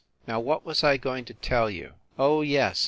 Now, what was I going to tell you? Oh, yes!